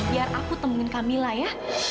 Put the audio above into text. biar aku temuin kamila ya